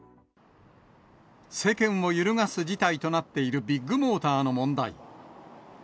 世間を揺るがす事態となっているビッグモーターの問題。